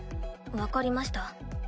分かりました。